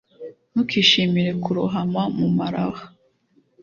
ntukishimire kurohama mu maraha